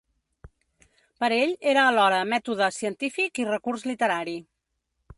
Per ell, era alhora mètode científic i recurs literari.